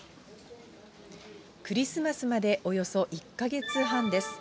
クリスマスまでおよそ１か月半です。